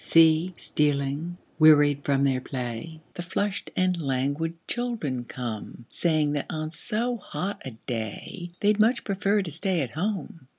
See stealing, wearied from their play, The flushed and languid children come, Saying that on so hot a day They'd much prefer to stay at home.